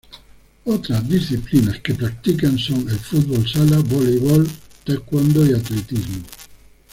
Otras disciplinas que practican son el fútbol sala, voleibol, taekwondo y atletismo.